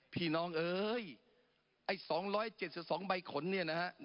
พี่น้องเอ้ยไอ้๒๗๒ใบขนเนี่ยนะฮะ